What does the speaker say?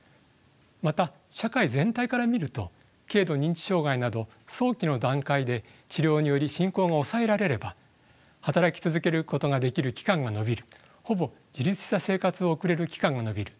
また社会全体から見ると軽度認知障害など早期の段階で治療により進行が抑えられれば働き続けることができる期間が延びるほぼ自立した生活を送れる期間が延びる